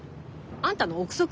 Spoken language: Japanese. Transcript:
あんたの臆測？